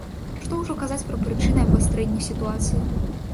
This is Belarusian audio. Што ўжо казаць пра прычыны абвастрэння сітуацыі?